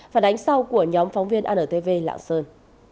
phản ánh sau của nhóm phóng viên antv lạng sơn